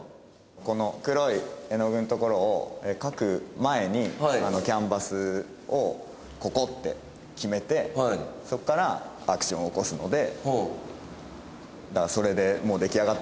この黒い絵の具のところを描く前にキャンバスをここって決めてそこからアクションを起こすのでそれで出来上がったらもうそれ！